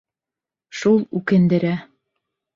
Шул үкендерә!